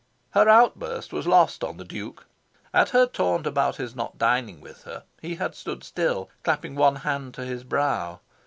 Her outburst was lost on the Duke. At her taunt about his not dining with her, he had stood still, clapping one hand to his brow.